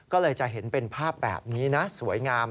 ก็เลยจะเห็นเป็นภาพแบบนี้นะสวยงาม